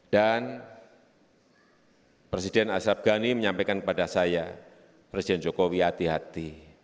dan presiden azhar ghani menyampaikan kepada saya presiden jokowi hati hati